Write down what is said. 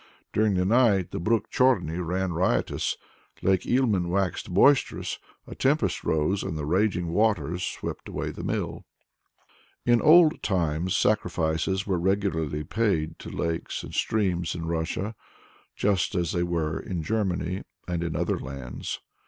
during the night the brook Chorny ran riotous, Lake Ilmen waxed boisterous, a tempest arose, and the raging waters swept away the mill. In old times sacrifices were regularly paid to lakes and streams in Russia, just as they were in Germany and in other lands.